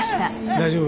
大丈夫？